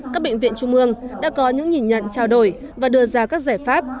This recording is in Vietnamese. các bệnh viện trung ương đã có những nhìn nhận trao đổi và đưa ra các giải pháp